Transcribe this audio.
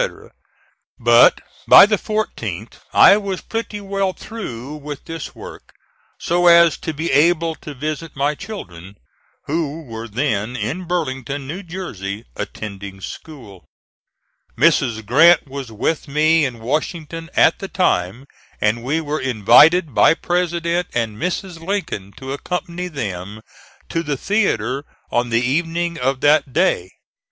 But by the 14th I was pretty well through with this work, so as to be able to visit my children, who were then in Burlington, New Jersey, attending school. Mrs. Grant was with me in Washington at the time, and we were invited by President and Mrs. Lincoln to accompany them to the theatre on the evening of that day.